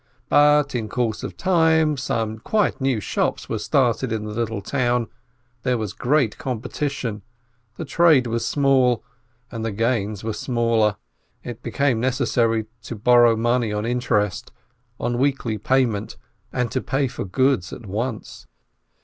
But in course of time some quite new shops were started in the little town, there was great competition, the trade was small, and the gains were smaller, it became neces sary to borrow money on interest, on weekly payment, and to pay for goods at once.